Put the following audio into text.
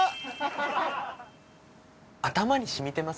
頭にしみてます